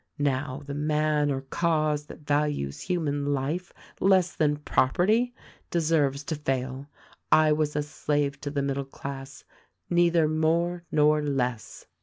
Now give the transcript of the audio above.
Now, the man or cause that values human life less than property deserves to fail. I was a slave to the middle class — neither more nor less!"